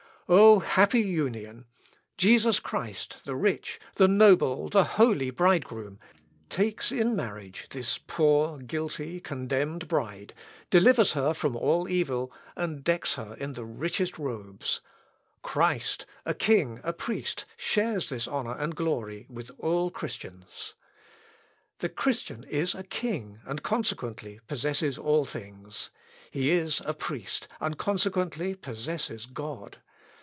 O happy union! Jesus Christ the rich, the noble, the holy bridegroom, takes in marriage this poor, guilty, contemned bride, delivers her from all evil, and decks her in the richest robes.... Christ, a King, and Priest, shares this honour and glory with all Christians. The Christian is a king, and consequently possesses all things. He is a priest, and consequently possesses God.